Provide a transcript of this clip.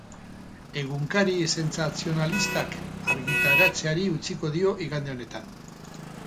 Egunkari sentsazionalistak argitaratzeari utziko dio igande honetan.